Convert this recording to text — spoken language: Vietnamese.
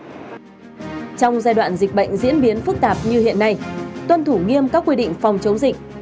trong giai đoạn dịch bệnh diễn biến phức tạp như hiện nay tuân thủ nghiêm các quy định phòng chống dịch